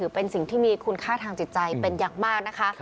เป็นสิ่งที่มีคุณค่าทางจิตใจเป็นอย่างมากนะคะ